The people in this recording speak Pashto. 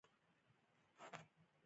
هغه تروې سترګې او ګڼ وېښتان لرل